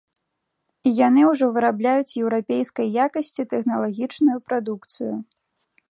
І яны ўжо вырабляюць еўрапейскай якасці тэхналагічную прадукцыю.